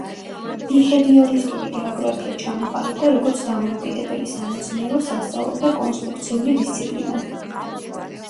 ბიჰევიორისტული გეოგრაფია ჩამოყალიბდა როგორც დამოუკიდებელი სამეცნიერო, სასწავლო და კონსტრუქციული დისციპლინა.